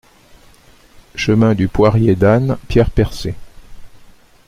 Chemin du Poirier d'Anne, Pierre-Percée